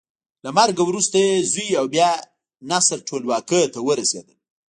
له مرګه وروسته یې زوی او بیا نصر ټولواکۍ ته ورسېدل.